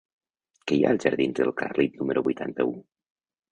Què hi ha als jardins del Carlit número vuitanta-u?